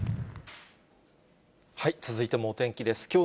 続いてもお天気です。